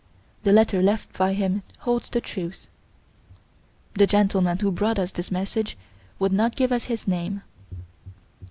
The letter left by him holds the truth.' The gentleman who brought us this message would not give us his name.